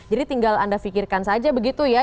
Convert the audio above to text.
jadi tinggal anda pikirkan saja begitu ya